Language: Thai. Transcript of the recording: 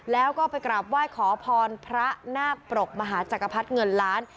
แล้วก็ไปกราบไหว้ขอพรพระนาคปรกมหาจักรพรรดิเงินล้าน